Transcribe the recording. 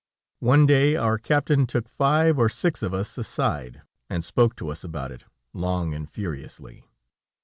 One day, our captain took five or six of us aside, and spoke to us about it, long and furiously.